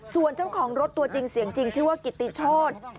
ส่วนเจ้าของรถตัวจริงเสียงจริงชื่อว่ากิติโชธ